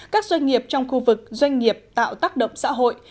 các doanh nghiệp trong khu vực doanh nghiệp tạo tác động xã hội